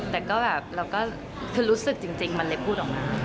แต่ก็แบบเราก็คือรู้สึกจริงมันเลยพูดออกมา